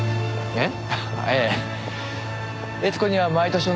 えっ？